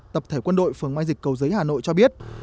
tập thể quân đội phường mai dịch cầu giới hà nội cho biết